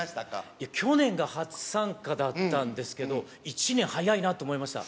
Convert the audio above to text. いや、去年が初参加だったんですけど、１年早いなと思いました。